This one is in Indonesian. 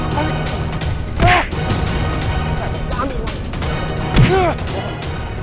saya butuh ambil uang